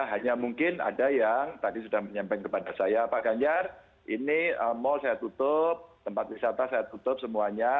hanya mungkin ada yang tadi sudah menyampaikan kepada saya pak ganjar ini mal saya tutup tempat wisata saya tutup semuanya